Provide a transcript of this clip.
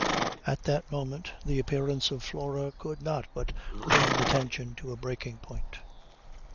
At that moment the appearance of Flora could not but bring the tension to the breaking point.